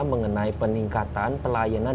mengenai peningkatan pelayanan